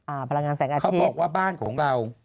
พลังงานแสงอาทิตย์เขาบอกว่าบ้านของเรา